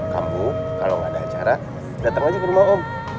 kamu kalau nggak ada acara datang aja ke rumah om